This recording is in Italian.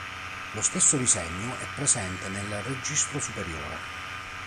Lo stesso disegno è presente nel registro superiore.